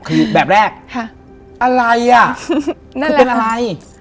คือแบบแรกอะไรอ่ะนั่นเป็นอะไร